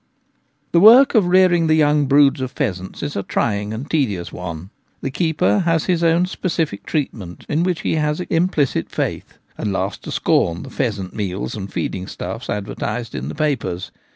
The work of rearing the young broods of pheasants is a trying and tedious one. The keeper has his own specific treatment, in which he has implicit faith, and laughs to scorn the pheasant meals and feeding stuflp E 50 The Gamekeeper at Home. advertised in the papers.